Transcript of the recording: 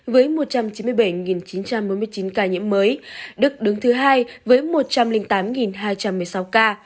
với một trăm chín mươi bảy chín trăm bốn mươi chín ca nhiễm mới đức đứng thứ hai với một trăm linh tám hai trăm một mươi sáu ca